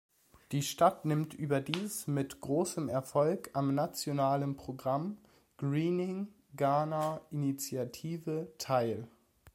Die Stadt nimmt überdies mit großem Erfolg am nationalen Programm "Greening Ghana Initiative" teil.